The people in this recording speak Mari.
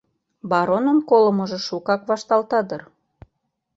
Баронын колымыжо шукак вашталта дыр...